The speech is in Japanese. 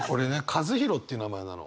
一敬っていう名前なの。